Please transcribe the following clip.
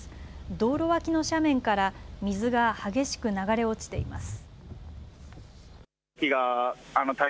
道路脇の斜面から水が激しく流れ落ちています。